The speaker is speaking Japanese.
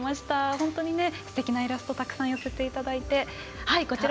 本当にすてきなイラストたくさん寄せていただいて。